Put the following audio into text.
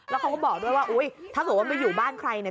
แล้วเขาก็บอกด้วยว่าถ้าสมมุติว่ามาอยู่บ้านใครเนี่ย